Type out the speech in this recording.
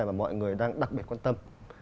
mà mọi người đang đặc biệt quan tâm